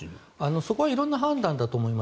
そこは色んな判断だと思います。